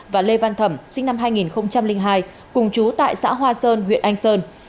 và lê văn thẩm sinh năm hai nghìn hai cùng chú tại xã hoa sơn huyện anh sơn